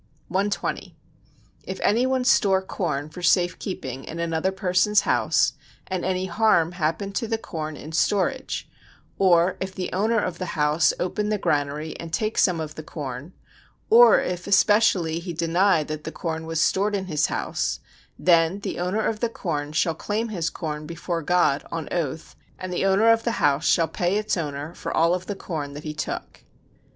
120. If any one store corn for safe keeping in another person's house, and any harm happen to the corn in storage, or if the owner of the house open the granary and take some of the corn, or if especially he deny that the corn was stored in his house: then the owner of the corn shall claim his corn before God [on oath], and the owner of the house shall pay its owner for all of the corn that he took.